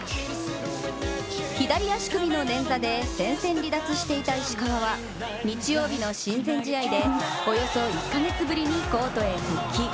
左足首の捻挫で戦線離脱していた石川は日曜日の親善試合でおよそ１カ月ぶりにコートへ復帰。